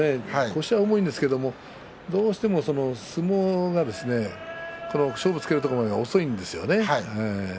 腰は重いんですけどもどうしても勝負をつけるところ遅いんですよね。